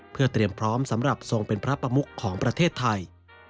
เพื่อเตรียมพร้อมสำหรับทรงเป็นพระประมุขของประเทศไทย